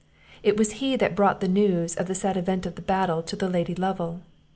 It was he that brought the news of the sad event of the battle to the Lady Lovel.